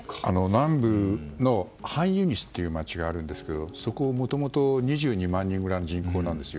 南部のハンユニスという町がありますがそこがもともと２２万人ぐらいの人口なんですよ。